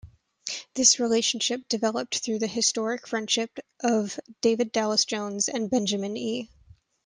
This relationship developed through the historic friendship of David Dallas Jones and Benjamin E.